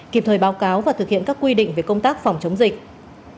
kịp thời báo cáo và thực hiện các quy định về công tác phòng chống dịch